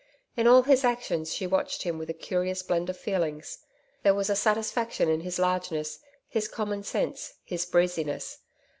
In all his actions she watched him with a curious blend of feelings. There was a satisfaction in his largeness, his commonsense, his breeziness.